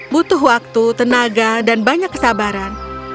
butuh waktu tenaga dan banyak kesabaran